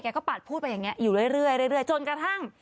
ก็ปัดพูดไปอย่างนี้อยู่เรื่อยจนกระทั่ง